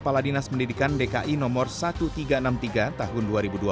kepala dinas pendidikan dki nomor seribu tiga ratus enam puluh tiga tahun dua ribu dua puluh